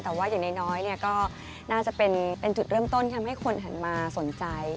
แต่ว่าอย่างน้อยก็น่าจะเป็นจุดเริ่มต้นทำให้คนหันมาสนใจ